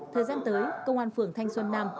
thời gian tới công an phường thanh xuân nam